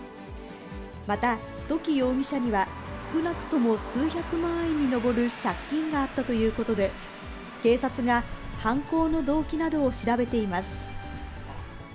また、土岐容疑者には、少なくとも数百万円に上る借金があったということで、警察が犯行の動機などを調べています。